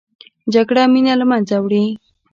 جګړه مینه له منځه وړي